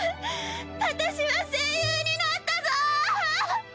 私は声優になったぞ！